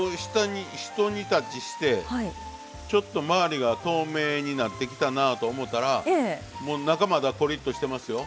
ひと煮立ちしてちょっと周りが透明になってきたなと思ったらもう中まだコリッとしてますよ。